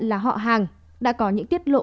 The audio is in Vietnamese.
là họ hàng đã có những tiết lộ